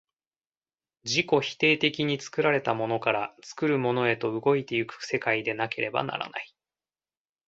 自己否定的に作られたものから作るものへと動いて行く世界でなければならない。